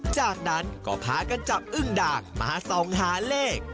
จากนั้นก็พากันจับอึ้งด่างมาส่องหาเลข